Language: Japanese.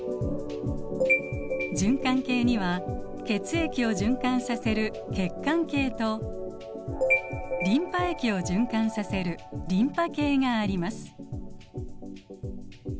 循環系には血液を循環させる血管系とリンパ液を循環させるリンパ系があります。